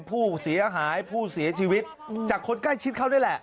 ผู้เสียหายผู้เสียชีวิตจากคนใกล้ชิดเขานี่แหละ